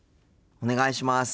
お願いします。